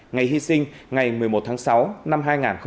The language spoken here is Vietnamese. ngày hy sinh ngày một mươi một tháng sáu năm hai nghìn hai mươi